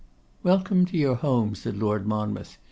'Welcome to your home,' said Lord Monmouth.